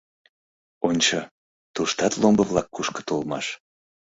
Ончо, туштат ломбо-влак кушкыт улмаш!